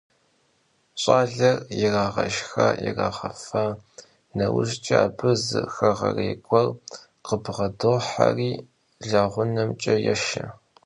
Ş'aler yirağeşşxa - yirağefa neujç'e, abı zı xeğerêy guer khıbğedoheri leğunemç'e yêşşe.